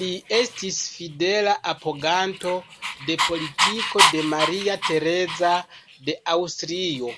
Li estis fidela apoganto de politiko de Maria Tereza de Aŭstrio.